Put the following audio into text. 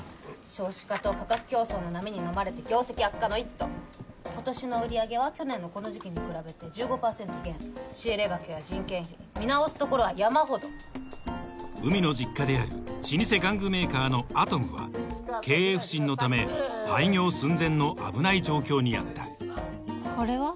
少子化と価格競争の波にのまれて業績悪化の一途今年の売り上げは去年のこの時期に比べて１５％減仕入れ額や人件費見直すところは山ほど海の実家である老舗玩具メーカーのアトムは経営不振のため廃業寸前の危ない状況にあったこれは？